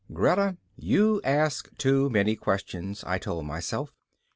Greta, you ask too many questions, I told myself.